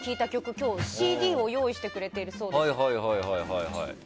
今日、ＣＤを用意してくれているそうです。